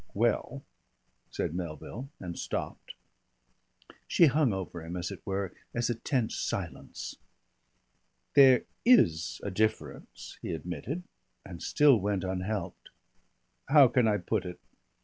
"Well," said Melville and stopped. She hung over him as it were, as a tense silence. "There is a difference," he admitted, and still went unhelped. "How can I put it?